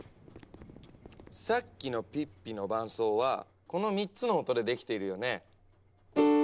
さっきのピッピの伴奏はこの３つの音でできているよね。